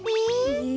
え？